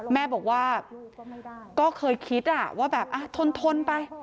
แม่บอกว่าก็เคยคิดว่าแบบทนไป